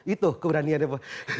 itu keberaniannya pak